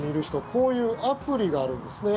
こういうアプリがあるんですね。